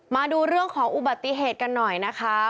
มาดูเรื่องของอุบัติเหตุกันหน่อยนะคะ